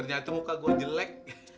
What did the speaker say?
ternyata muka gue jelek